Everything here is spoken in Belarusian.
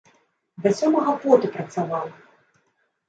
Да сёмага поту працаваў!